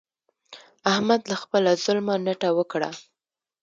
احمد له خپله ظلمه نټه وکړه.